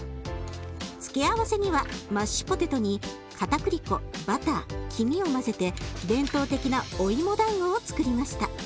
付け合わせにはマッシュポテトにかたくり粉バター黄身を混ぜて伝統的なお芋だんごをつくりました。